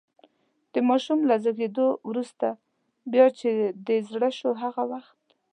د ماشوم له زېږېدو وروسته، بیا چې دې زړه شو هغه وخت.